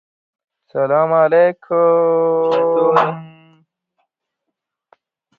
Are you ready, Comrades Carroll and Jackson?